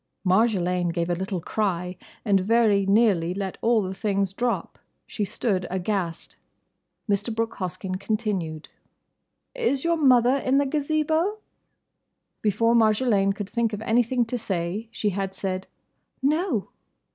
Marjolaine gave a little cry and very nearly let all the things drop. She stood aghast. Mr. Brooke Hoskyn continued, "Is your mother in the Gazebo?" Before Marjolaine could think of anything to say she had said "No."